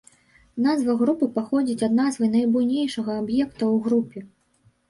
Назва групы паходзіць ад назвы найбуйнейшага аб'екта ў групе.